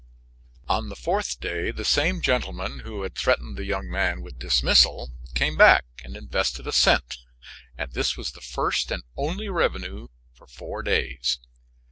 On the fourth day the same gentleman who had threatened the young man with dismissal came back and invested a cent, and this was the first and only revenue for four days.